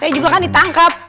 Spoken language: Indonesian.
aku juga kan ditangkap